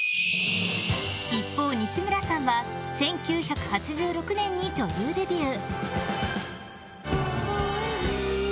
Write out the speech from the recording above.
一方、西村さんは１９８６年に女優デビュー。